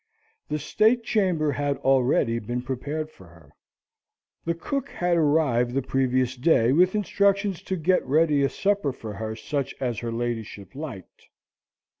The state chamber had already been prepared for her. The cook had arrived the previous day with instructions to get ready a supper for her such as her ladyship liked.